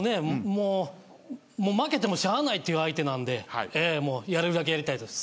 もう負けてもしゃあないっていう相手なんでやれるだけやりたいです。